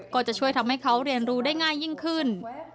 ก็จะช่วยทำให้เขาเรียนรู้ได้ง่ายยิ่งขึ้น